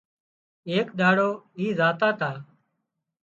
ايڪ ڏاڙو اي زاتا تا